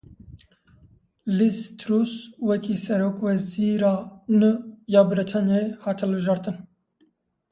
LizTruss wekî Serokwezîra nû ya Brîtanyayê hat hilbijartin.